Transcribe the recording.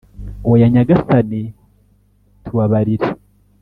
oya nyagasani tubabarire